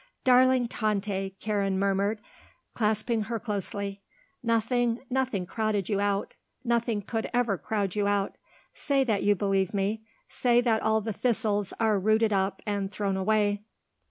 "Darling Tante," Karen murmured, clasping her closely. "Nothing, nothing crowded you out. Nothing could ever crowd you out. Say that you believe me. Say that all the thistles are rooted up and thrown away."